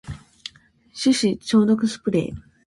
手指消毒スプレー